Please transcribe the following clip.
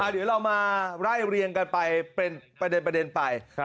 อ่าเดี๋ยวเรามาไล่เรียงกันไปเป็นประเด็นประเด็นไปค่ะ